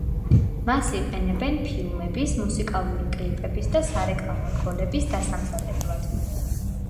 მას იყენებენ ფილმების, მუსიკალური კლიპების და სარეკლამო რგოლების დასამზადებლად.